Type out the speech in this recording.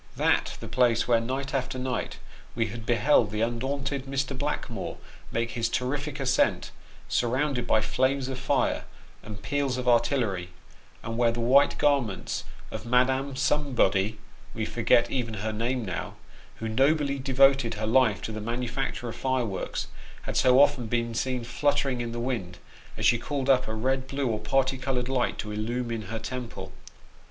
That the place where night after night we had beheld the undaunted Mr. Blackmore make his terrific ascent, surrounded by flames of fire, and peals of artillery, and where the white garments of Madame Somebody (we forget even her name now), who nobly devoted her life to the manufacture of fireworks, had so often been seen fluttering in the wind, as she called up a red, blue, or party coloured light to illumine her temple!